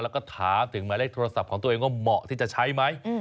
แล้วก็ถามถึงหมายเลขโทรศัพท์ของตัวเองว่าเหมาะที่จะใช้ไหม